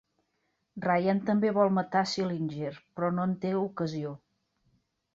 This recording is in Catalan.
Ryan també vol matar Schillinger, però no en té ocasió.